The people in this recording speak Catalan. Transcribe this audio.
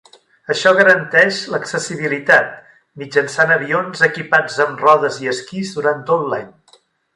Això garanteix l'accessibilitat mitjançant avions equipats amb rodes i esquís durant tot l'any.